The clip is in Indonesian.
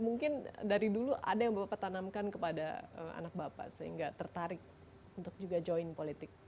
mungkin dari dulu ada yang bapak tanamkan kepada anak bapak sehingga tertarik untuk juga join politik